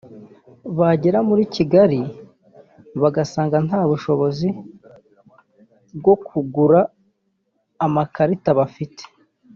bagera muri Kigali bagasanga nta bushobozi bwo kugura amakarita bafite